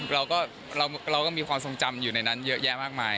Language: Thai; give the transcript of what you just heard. เราก็มีความทรงจำอยู่ในนั้นเยอะแยะมากมาย